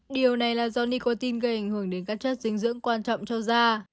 điều này là do nicotin gây ảnh hưởng đến các chất dinh dưỡng quan trọng cho da